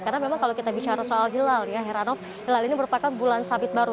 karena memang kalau kita bicara soal hilal ya heranov hilal ini merupakan bulan sabit baru